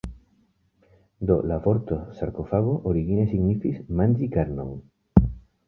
Do la vorto sarkofago origine signifis "manĝi karnon".